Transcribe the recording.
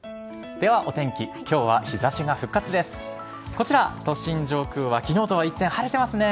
こちら、都心上空はきのうとは一転、晴れてますね。